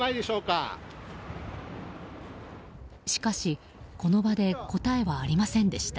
しかし、この場で答えはありませんでした。